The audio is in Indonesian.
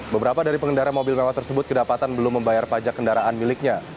beberapa dari pengendara mobil mewah tersebut kedapatan belum membayar pajak kendaraan miliknya